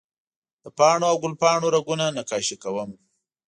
د پاڼو او ګل پاڼو رګونه نقاشي کوم